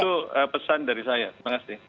itu pesan dari saya terima kasih